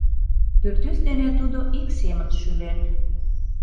Пӱртӱс дене тудо ик семын шӱлен.